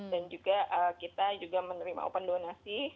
dan juga kita juga menerima open donasi